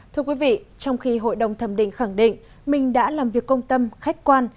thưa quý vị trong khi hội đồng thẩm định khẳng định mình đã làm việc công tâm khách quan